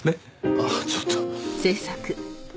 あっちょっと。